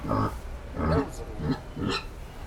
D awezɣi!